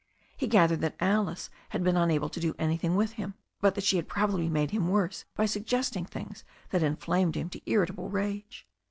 He gathered that Alice had been unable to do anything with him, but that she had probably made him worse by suggesting things that inflamed him to irritable rage.